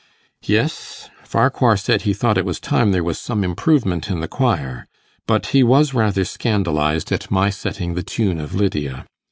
'Yes; Farquhar said he thought it was time there was some improvement in the choir. But he was rather scandalized at my setting the tune of "Lydia."